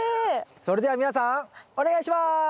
それでは皆さんお願いします！